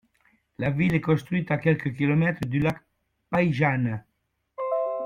La ville est construite à quelques kilomètres du lac Päijänne.